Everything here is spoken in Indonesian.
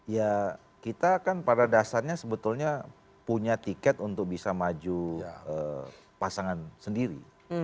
ya kita kan pada dasarnya sebetulnya punya tiket untuk bisa maju pasangan sendiri